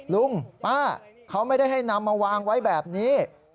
ลุงป้าเขาไม่ได้ให้นำมาวางไว้แบบนี้